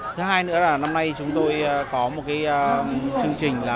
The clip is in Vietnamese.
thứ hai nữa là năm nay chúng tôi có một chương trình